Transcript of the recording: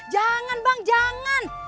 jangan bang jangan